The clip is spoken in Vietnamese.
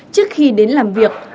trước khi đến làm việc